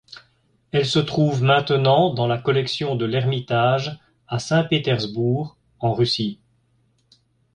Elle se trouve maintenant dans la collection de L'Ermitage, à Saint-Pétersbourg, en Russie.